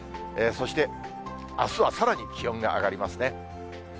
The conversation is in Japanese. そして、あすはさらに気温が上がりますね。